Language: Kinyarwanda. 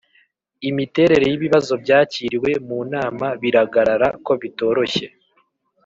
imiterere y ibibazo byakiriwe mu nama biragarara ko bitoroshye